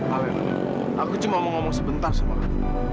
alena aku cuma mau ngomong sebentar sama aku